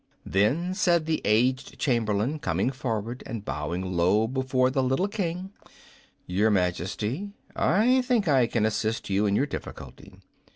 Then said the aged Chamberlain, coming forward, and bowing low before the little King, "Your Majesty, I think I can assist you in your difficulty.